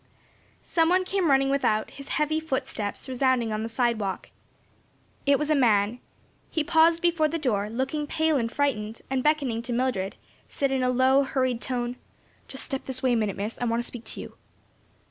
Some one came running without, his heavy footsteps resounding upon the sidewalk. It was a man. He paused before the door, looking pale and frightened, and beckoning to Mildred, said in a low, hurried tone, "Just step this way a minute, Miss, I want to speak to you."